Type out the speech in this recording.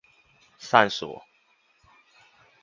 上鎖